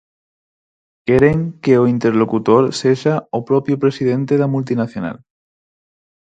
Queren que o interlocutor sexa o propio presidente da multinacional.